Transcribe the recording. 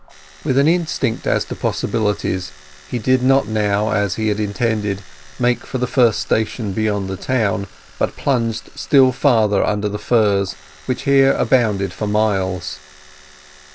With an instinct as to possibilities, he did not now, as he had intended, make for the first station beyond the town, but plunged still farther under the firs, which here abounded for miles.